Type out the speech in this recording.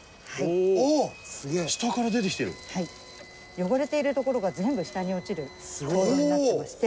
汚れている所が全部下に落ちる構造になってまして。